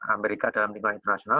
amerika dalam lingkungan internasional